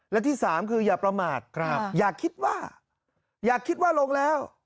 และที่สามคืออย่าประมาทอย่าคิดว่าอย่าคิดว่าลงแล้ว